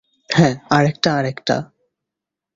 হ্যাঁ, আরেকটা, আরেকটা।